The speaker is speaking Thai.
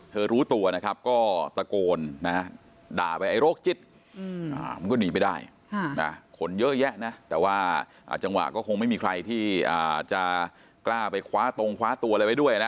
รู้ตัวนะครับก็ตะโกนนะด่าไปไอ้โรคจิตมันก็หนีไปได้คนเยอะแยะนะแต่ว่าจังหวะก็คงไม่มีใครที่จะกล้าไปคว้าตรงคว้าตัวอะไรไว้ด้วยนะ